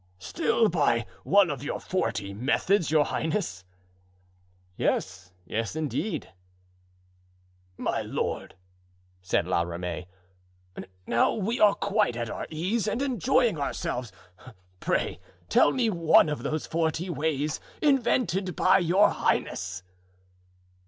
"Still by one of your forty methods, your highness?" "Yes, yes, indeed." "My lord," said La Ramee, "now we are quite at our ease and enjoying ourselves, pray tell me one of those forty ways invented by your highness."